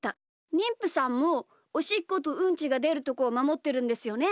にんぷさんもおしっことうんちがでるとこをまもってるんですよね？